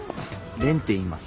蓮っていいます。